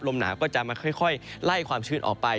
หนาวก็จะมาค่อยไล่ความชื้นออกไป